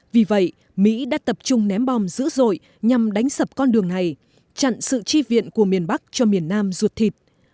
vì vậy mỹ đã tập trung ném bom dữ dội nhằm đánh sập con đường này chặn sự chi viện của miền bắc cho miền nam ruột thịt